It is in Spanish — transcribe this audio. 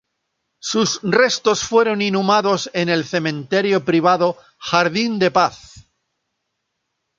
Sus restos fueron inhumados en el cementerio privado Jardín de Paz.